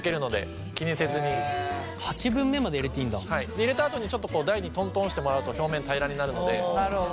入れたあとにちょっと台にトントンしてもらうと表面平らになるので。